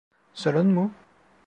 Sorun mu?